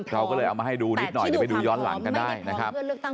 เราก็เลยเอามาให้ดูนิดหน่อยเดี๋ยวไปดูย้อนหลังกันได้นะครับ